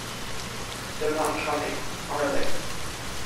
They're not coming, are they?